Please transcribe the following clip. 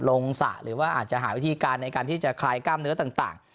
สระหรือว่าอาจจะหาวิธีการในการที่จะคลายกล้ามเนื้อต่าง